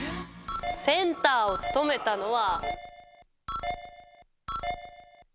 センターを務めたのは。